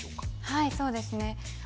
はいそうですね